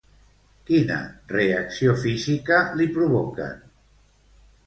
Quina reacció física li provoquen?